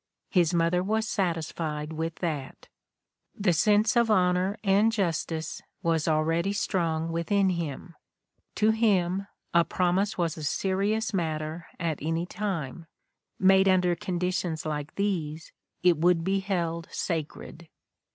His mother was satisfied with that. The sense of honor and justice was already strong within him. To him a prom ise was a serious matter at any time; made under con ditions like these it would be held sacred.